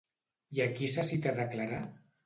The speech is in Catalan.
I a qui se cita a declarar?